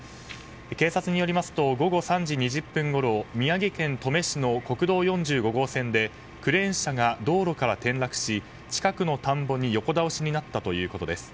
警察によりますと午後３時２０分ごろ宮城県登米市の国道４５号線でクレーン車が道路から転落し近くの田んぼに横倒しになったということです。